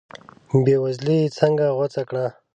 بې وزلي یې څنګه غوڅه کړه.